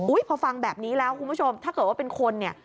พอฟังแบบนี้แล้วคุณผู้ชมถ้าเกิดว่าเป็นคนเนี่ย